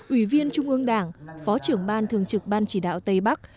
ủy viên trung ương đảng phó trưởng ban thường trực ban chỉ đạo tây bắc